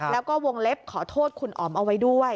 แล้วก็วงเล็บขอโทษคุณอ๋อมเอาไว้ด้วย